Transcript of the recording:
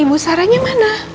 ibu saranya mana